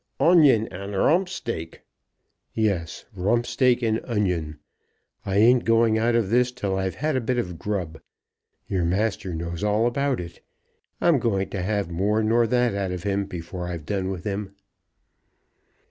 "Onion, and romp steak!" "Yes; rump steak and onion. I ain't going out of this till I've had a bit of grub. Your master knows all about it. I'm going to have more nor that out of him before I've done with him."